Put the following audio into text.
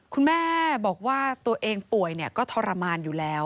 คุณแม่บอกว่าตัวเองป่วยก็ทรมานอยู่แล้ว